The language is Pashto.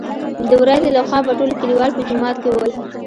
دورځې له خوا به ټول کليوال په جومات کې ول.